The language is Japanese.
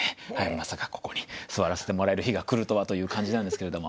まさかここに座らせてもらえる日が来るとはという感じなんですけれども。